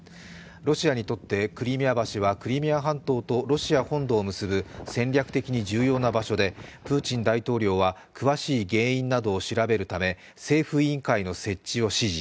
ロシアにとってクリミア橋はクリミア半島とロシア本土を結ぶ戦略的に重要な場所でプーチン大統領は詳しい原因などを調べるため政府委員会の設置を指示。